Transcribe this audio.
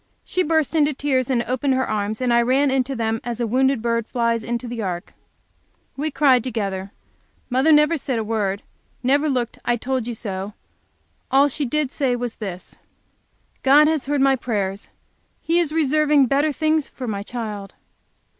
She burst into tears and opened her arms, and I ran into them as a wounded bird flies into the ark. We cried together. Mother never said, never looked, "I told you so." All she did say was this, "God has heard my prayers! He is reserving better things for my child!"